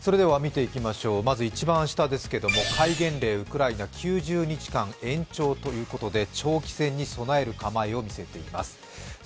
まず一番下ですけど戒厳令ウクライナ９０日間延長ということで長期戦に備える構えを見せています。